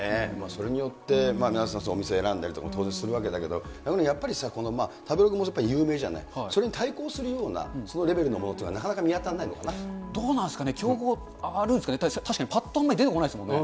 それによって、皆さん、お店選んだりとか、当然するわけだけど、やっぱりさ、食べログもやっぱり有名じゃない、それに対抗するような、そのレベルのものっていうのは、どうなんすかね、競合あるんですかね、確かにぱっと出てこないですもんね。